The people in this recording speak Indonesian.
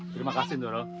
terima kasih dorong